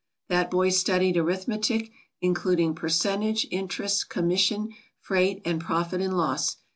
That boy studied arith metic, including percentage, interest, commission, freight, and profit and loss.